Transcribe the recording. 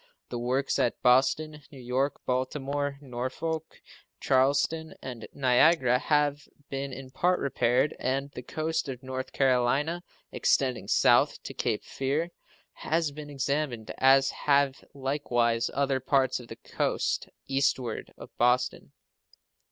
The works at Boston, New York, Baltimore, Norfolk, Charleston, and Niagara have been in part repaired, and the coast of North Carolina, extending south to Cape Fear, has been examined, as have likewise other parts of the coast eastward of Boston.